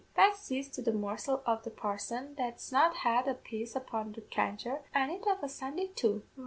Bad cess to the morsel of the parson that's not hard at Peace upon a trancher, an' it of a Sunday too!